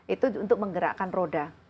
itu untuk menggerakkan roda